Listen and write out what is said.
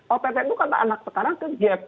ott itu kata anak sekarang ke gap